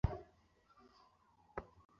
তারা তো এখন কিছুদিনের মেহমান।